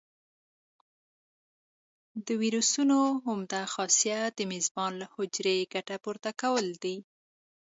د ویروسونو عمده خاصیت د میزبان له حجرې ګټه پورته کول دي.